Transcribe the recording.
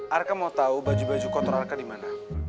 arka mau tau baju baju kotor arka dimana